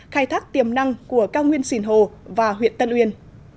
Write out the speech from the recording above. khai thác tiềm năng của cao nguyên xìn hồ và huyện tân uyên